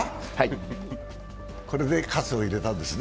これで喝を入れたんですね。